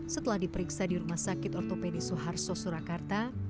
setelah diperiksa di rumah sakit ortopedi soeharto surakarta